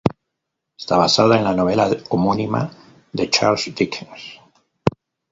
Está basada en la novela homónima de Charles Dickens.